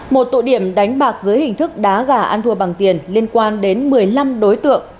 một tụ điểm đánh bạc dưới hình thức đá gà ăn thua bằng tiền liên quan đến một mươi năm đối tượng